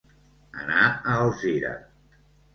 Anar a Alzira.